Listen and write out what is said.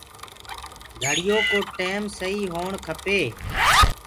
گھڙيو ڪو ٽيم سهي هوو کپي